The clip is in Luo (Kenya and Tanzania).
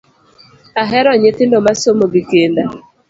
Ahero nyithindo masomo gi kinda